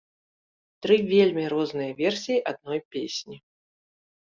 Тры вельмі розныя версіі адной песні.